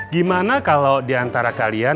gimana kalau diantara kalian